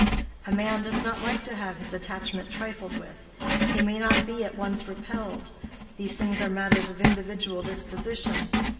A man does not like to have his attachment trifled with: he may not be at once repelled—these things are matters of individual disposition.